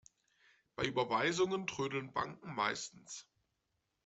Bei Überweisungen trödeln Banken meistens.